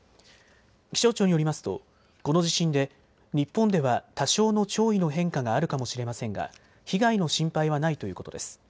気象庁によりますますとこの地震で日本では多少の潮位の変化があるかもしれませんが被害の心配はないということです。